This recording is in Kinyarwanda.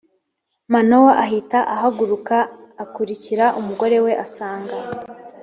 manowa ahita ahaguruka akurikira umugore we asanga.